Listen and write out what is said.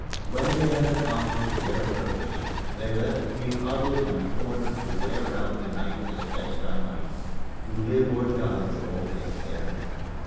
When they had accomplished their purpose, they left me huddled in a corner to wear out the night as best I might to live or die for all they cared.